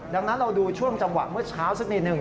ดังนั้นเราดูช่วงจังหวะเมื่อเช้าสักนิดหนึ่ง